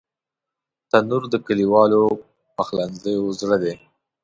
تنور د کلیوالو پخلنځیو زړه دی